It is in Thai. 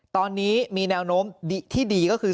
ตอนนี้มีแนวโน้มที่ดีก็คือ